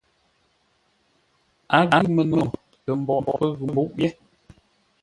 A ghʉ məno tə mboʼ pə́ ghʉ mbúʼ yé.